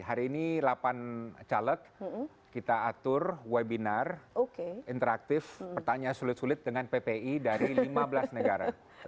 hari ini delapan caleg kita atur webinar interaktif pertanyaan sulit sulit dengan ppi dari lima belas negara